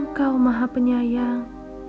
engkau maha penyayang